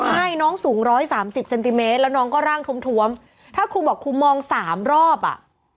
ใช่น้องสูงร้อยสามสิบเซนติเมตรแล้วน้องก็ร่างทวมถ้าครูบอกครูมองสามรอบอ่ะ